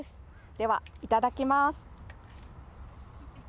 では、いただきます。